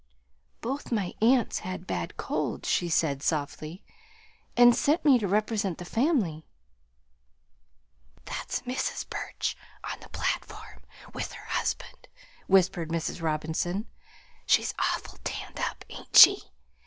"Both my aunts had bad colds," she said softly, "and sent me to represent the family." "That's Mrs. Burch on the platform with her husband," whispered Mrs. Robinson. "She's awful tanned up, ain't she?